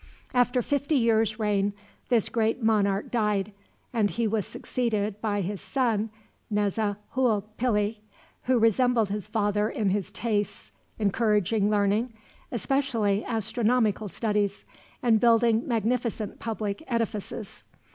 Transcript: After fifty years' reign this great monarch died, and was succeeded by his son Nezahualpilli, who resembled his father in his tastes, encouraging learning, especially astronomical studies, and building magnificent public edifices.